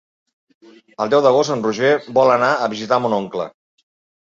El deu d'agost en Roger vol anar a visitar mon oncle.